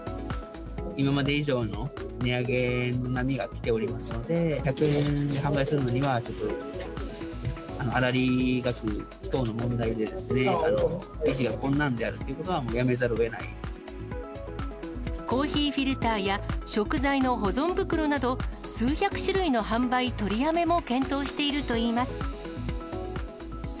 今まで以上の値上げの波が来ておりますので、１００円で販売するにはちょっと粗利額等の問題で、困難であるとコーヒーフィルターや食材の保存袋など、数百種類の販売取りやめも検討しているといいます。